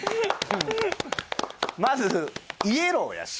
まずイエローやし。